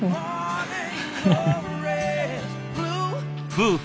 夫婦